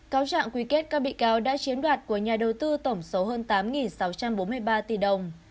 cáo trạng quy kết các bị cáo đã chiếm đoạt của nhà đầu tư tổng số hơn tám sáu trăm bốn mươi ba tỷ đồng